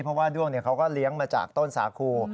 เพราะว่าด้วงเขาก็เลี้ยงมาจากต้นสาคู